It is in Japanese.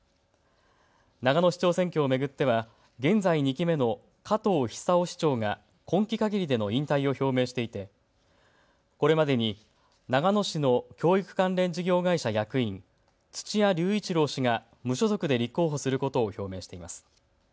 長野市長選挙を巡っては現在２期目の加藤久雄市長が今期かぎりでの引退を表明していてこれまでに長野市の教育関連事業会社役員、土屋龍一郎氏が無所属で立候補することを表明しています。